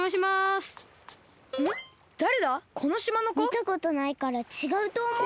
みたことないからちがうとおもう。